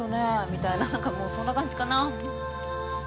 みたいななんかもうそんな感じかな？